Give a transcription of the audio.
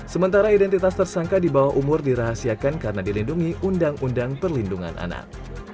sementara identitas tersangka di bawah umur dirahasiakan karena dilindungi undang undang perlindungan anak